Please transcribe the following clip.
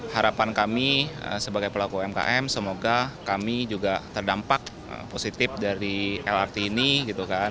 harapan kami sebagai pelaku umkm semoga kami juga terdampak positif dari lrt ini gitu kan